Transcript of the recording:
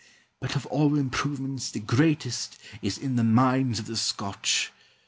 But of all improvements the greatest is in the minds of the Scotch.